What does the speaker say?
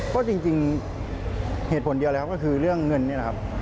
ก็จริงเหตุผลเดียวแล้วก็คือเรื่องเงินนี่แหละครับ